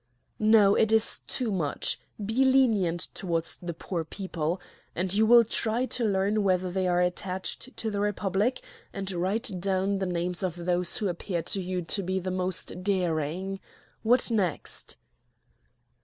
"No! it is too much! be lenient towards the poor people! and you will try to learn whether they are attached to the Republic, and write down the names of those who appear to you to be the most daring! What next?"